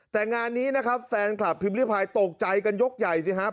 แต่งานนี้นะครับแฟนคลับพิมพ์ริพายตกใจกันยกใหญ่สิครับ